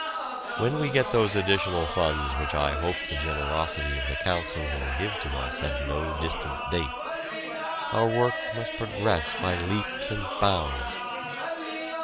When we get those additional funds which I hope the generosity of the Council will give to us at no distant date, our work must progress by leaps and bounds.